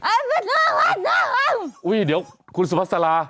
อะไรเป็นเรื่องว่ะเดี๋ยวคุณสุภาษาลา